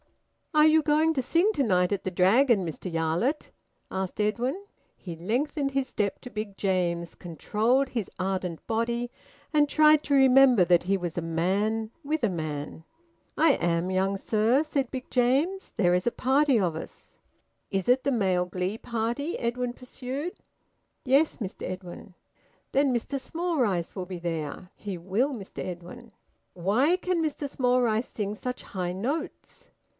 "Are you going to sing to night at the Dragon, Mr Yarlett?" asked Edwin. He lengthened his step to Big James's, controlled his ardent body, and tried to remember that he was a man with a man. "I am, young sir," said Big James. "There is a party of us." "Is it the Male Glee Party?" Edwin pursued. "Yes, Mr Edwin." "Then Mr Smallrice will be there?" "He will, Mr Edwin." "Why can Mr Smallrice sing such high notes?"